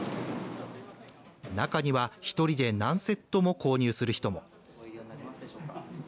中には１人で何セットも購入する人も。